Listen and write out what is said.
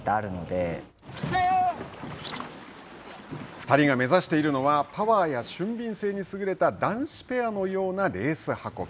二人が目指しているのはパワーや俊敏性に優れた男子ペアのようなレース運び。